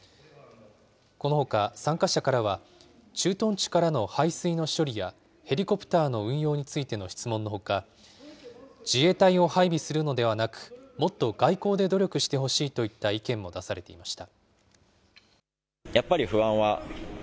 このほか参加者からは、駐屯地からの排水の処理や、ヘリコプターの運用についての質問のほか、自衛隊を配備するのではなく、もっと外交で努力してほしいといった意見も出されていました。